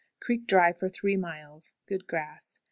Creek dry for three miles. Good grass.